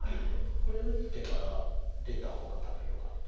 これ打ってから出た方が多分よかった。